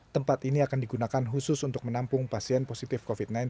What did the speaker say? tempat ini akan digunakan khusus untuk menampung pasien positif covid sembilan belas